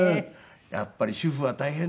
やっぱり主婦は大変です。